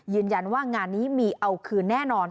ยืนยันว่างานนี้มีเอาคืนแน่นอน